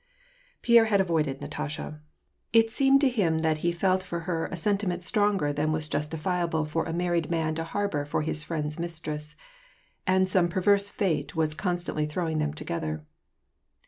Pierre had avoided Natasha. It seemed to him that he felt WAR AND PEACE. 879 for her a sentiment stronger than it was justifiable for a mar ried man to harbor for his friend's mistress, and some perverse fate was constantly throwing them together.